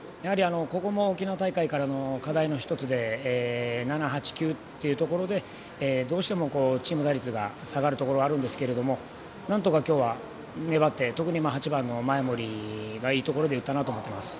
ここも沖縄大会からの課題の一つで７、８、９っていうところでどうしてもチーム打率が下がるところがあるんですけれどもなんとか、きょうは粘って、特に８番の前盛がいいところで打ったなと思っています。